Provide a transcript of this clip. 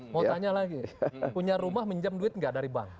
mau tanya lagi punya rumah pinjam duit gak dari bank